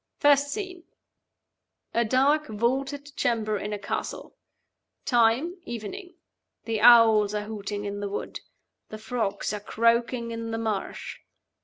First scene: a dark vaulted chamber in a castle. Time, evening. The owls are hooting in the wood; the frogs are croaking in the marsh.